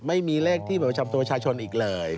ไม่มีเลขที่เบอร์ชามตัวชายชนอีกเลย